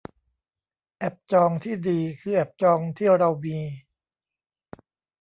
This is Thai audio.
แอปจองที่ดีคือแอปจองที่เรามี